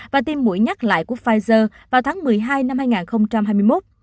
và tim mũi nhắc lại của pfizer vào tháng một mươi hai năm hai nghìn hai mươi một